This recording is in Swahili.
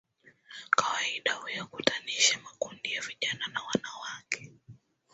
Kawaida huyakutanisha makundi ya vijana na wanawake